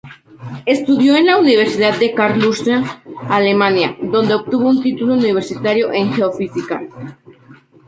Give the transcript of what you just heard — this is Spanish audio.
Estudió en la Universidad de Karlsruhe, Alemania, donde obtuvo un título universitario en Geofísica.